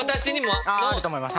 あああると思います。